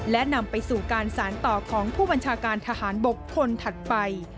และนำไปสู่การสารต่อของผู้บัญชาการทหารบกคนถัดไป